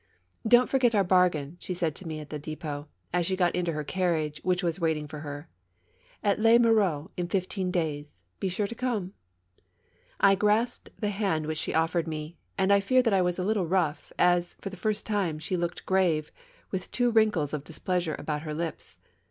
"Don't forget our bargain!" she said to me at the ddpot, as she got into her carriage, which was waiting for her. " At Les Mureaux in fifteen days — be sure to come!" I grasped the hand which she offered me, and I fear that I was a little rough, as, for the first time, she 50 IN THE VOLUBILIS BOWER. looked grave, with two wrinkles of displeasure about her lips.